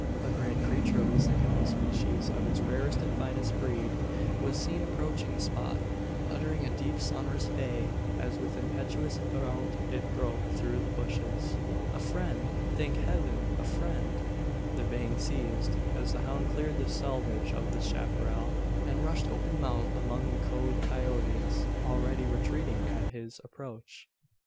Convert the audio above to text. A grand creature of the staghound species of its rarest and finest breed was seen approaching the spot, uttering a deep sonorous bay, as with impetuous bound it broke through the bushes. "A friend! thank Heaven, a friend!" The baying ceased, as the hound cleared the selvage of the chapparal, and rushed open mouthed among the cowed coyotes already retreating at his approach!